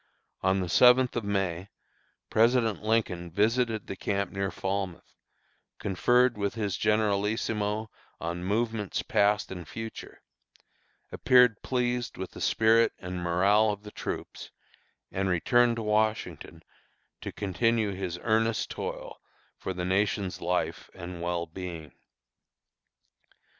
On the seventh of May, President Lincoln visited the camp near Falmouth, conferred with his generalissimo on movements past and future, appeared pleased with the spirit and morale of the troops, and returned to Washington to continue his earnest toil for the nation's life and well being.